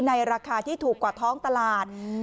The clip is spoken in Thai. ราคาที่ถูกกว่าท้องตลาด